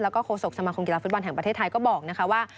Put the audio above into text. แล้วก็โศกสมาคมกีฬาฟุตบอลแห่งประเทศไทยก็บอกนะคะว่า